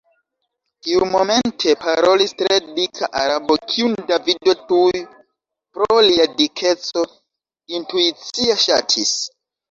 Tiumomente parolis tre dika Arabo – kiun Davido tuj pro lia dikeco intuicie ŝatis.